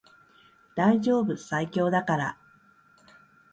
大丈夫最強だから